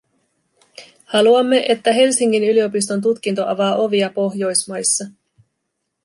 Haluamme, että Helsingin yliopiston tutkinto avaa ovia Pohjoismaissa.